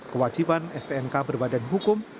kewajiban stnk berbadan hukum